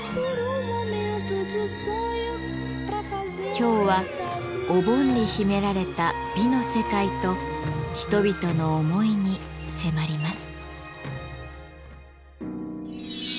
今日はお盆に秘められた美の世界と人々の思いに迫ります。